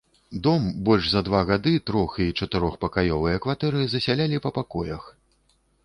Дом больш за два гады, трох- і чатырохпакаёвыя кватэры засялялі па пакоях.